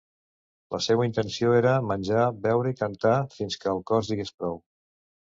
La seua intenció era menjar, beure i cantar fins que el cos digués prou.